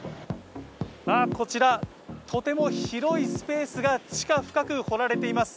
こちら、とても広いスペースが、地下深く掘られています。